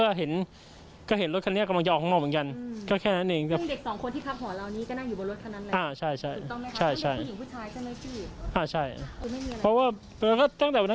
แล้วก็เห็นรถคันนี้กำลังจะออกข้างนอกเหมือนกัน